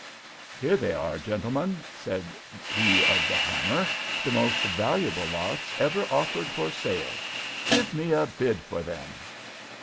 "Here they are, gentlemen," said he of the hammer, "the most valuable lots ever offered for sale. Give me a bid for them!"